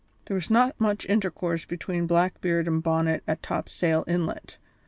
There was not much intercourse between Blackbeard and Bonnet at Topsail Inlet.